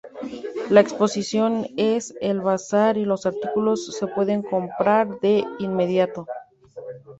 La exposición es el bazar y los artículos se pueden comprar de inmediato.